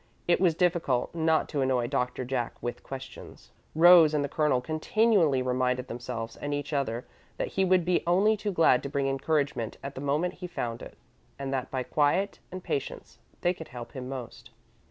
It was difficult not to annoy Doctor Jack with questions. Rose and the Colonel continually reminded themselves and each other that he would be only too glad to bring encouragement at the moment he found it, and that by quiet and patience they could help him most.